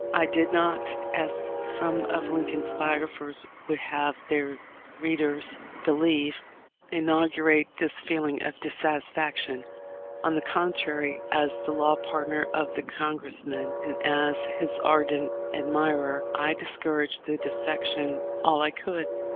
I did not, as some of Lincoln's biographers would have their readers be 280 THE LIFE 0F LINCOLN. lieve, ■ inaugurate this feeling of dissatisfaction. On the contrary, as the law partner of the Congress man, and as his ardent admirer, I discouraged the •defection all I could.